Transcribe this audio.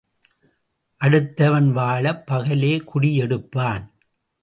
அடுத்தவன் வாழப் பகலே குடி எடுப்பான்.